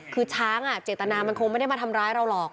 คือช้างเจตนามันคงไม่ได้มาทำร้ายเราหรอก